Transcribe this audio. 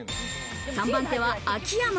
３番手は秋山。